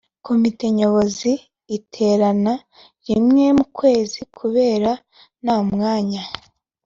komite nyobozi iterana rimwe mu kwezi kubera nta mwanya